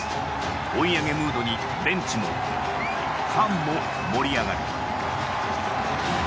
追い上げムードにベンチも、ファンも盛り上がる。